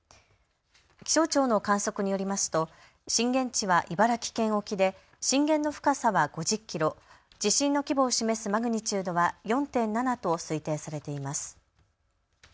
気象庁の観測によりますと震源地は茨城県沖で震源の深さは５０キロ、地震の規模を示すマグニチュードは４．７と推定されています。